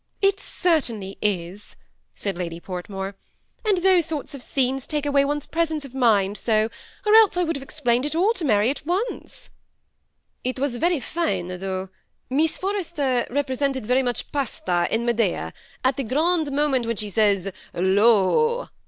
" It certainly is," said Lady Portmore ;" and those sort of scenes take away one's presence of mind so, or else I would have explained it all to Mary at once." " It was very fine, though : Miss Forster resembled ibdiiiil&itaad 174 THE SEBa ATIACHED COUPLE. Terjr mach Pasta, in Medea, at that grand moment when she sajs ^ lo